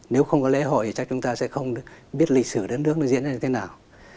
nếu không có lễ hội thì chắc chúng ta sẽ không được biết lịch sử đất nước nó diễn ra như thế nào